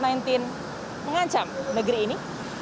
yang mengancam negeri ini